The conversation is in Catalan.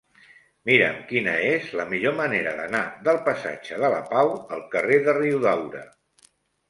Mira'm quina és la millor manera d'anar del passatge de la Pau al carrer de Riudaura.